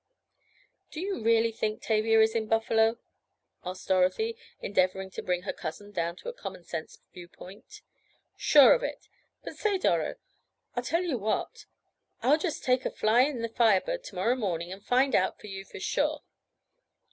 "Do you really think Tavia is in Buffalo?" asked Dorothy, endeavoring to bring her cousin down to a common sense viewpoint. "Sure of it. But, say, Doro. I'll tell you what! I'll just take a fly in the Fire Bird to morrow morning, and find out for you for sure.